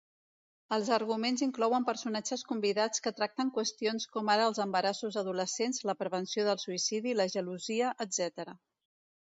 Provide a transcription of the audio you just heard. Els arguments inclouen personatges convidats que tracten qüestions com ara els embarassos adolescents, la prevenció del suïcidi, la gelosia, etc.